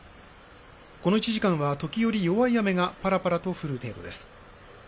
この１時間は時折弱い雨がぱらぱらと降る程度です。